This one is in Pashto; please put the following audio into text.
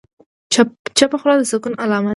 چپه خوله، د سکون علامه ده.